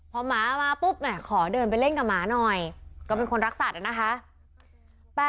พอหมามาปุ๊บขอเดินไปเล่นกับหมาหน่อยก็เป็นคนรักสัตว์นะคะ